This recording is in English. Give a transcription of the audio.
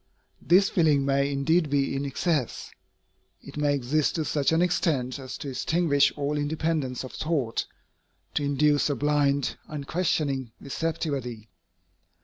This feeling may indeed be in excess. It may exist to such an extent as to extinguish all independence of thought, to induce a blind, unquestioning receptivity.